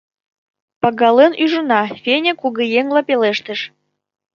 — Пагален ӱжына, — Феня кугыеҥла пелештыш.